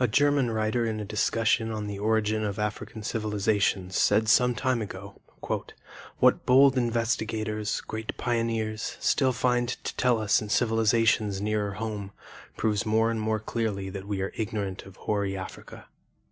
A German writer in a discussion of the origin of African civilizations said some time ago "What bold investigators, great pioneers, still find to tell us in civilizations nearer home, proves more and more clearly that we are ignorant of hoary Africa.